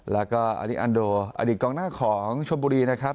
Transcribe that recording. แล้วก็อลิอันโดอดีตกองหน้าของชมบุรีนะครับ